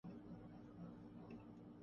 Michel Obama بہترین صدر ثابت ہوں گی